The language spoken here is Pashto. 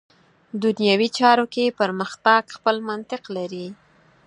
دنیوي چارو کې پرمختګ خپل منطق لري.